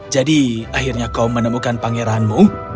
jadi akhirnya kau menemukan pangeranmu